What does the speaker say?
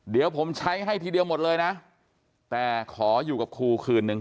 เดี๋ยวผมใช้ให้ทีเดียวหมดเลยนะแต่ขออยู่กับครูคืนนึง